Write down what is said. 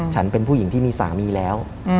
ฉันเป็นผู้หญิงที่มีสามีแล้ว